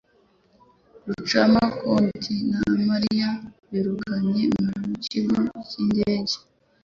Rucamakoti na Mariya birukiye mu kigo cy’indege